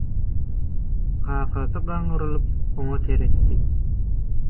Kakasy gaňrylyp oňa seretdi.